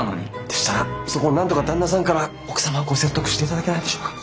でしたらそこをなんとか旦那さんから奥様をご説得していただけないでしょうか？